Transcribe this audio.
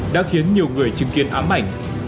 đã khiến nhiều người chứng kiến ám ảnh